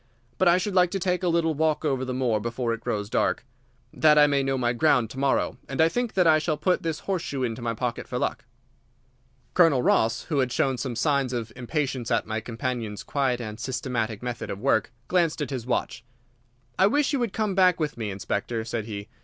But I should like to take a little walk over the moor before it grows dark, that I may know my ground to morrow, and I think that I shall put this horseshoe into my pocket for luck." Colonel Ross, who had shown some signs of impatience at my companion's quiet and systematic method of work, glanced at his watch. "I wish you would come back with me, Inspector," said he.